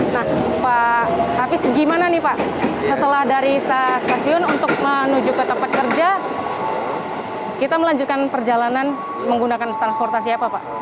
nah pak hafiz gimana nih pak setelah dari stasiun untuk menuju ke tempat kerja kita melanjutkan perjalanan menggunakan transportasi apa pak